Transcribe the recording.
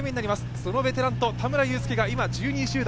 そのベテランと田村友佑が１２位集団。